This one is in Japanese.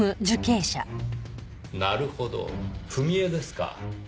なるほど踏み絵ですか。